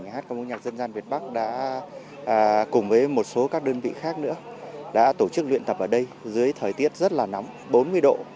nhà hát công nhạc dân gian việt bắc đã cùng với một số các đơn vị khác nữa đã tổ chức luyện tập ở đây dưới thời tiết rất là nóng bốn mươi độ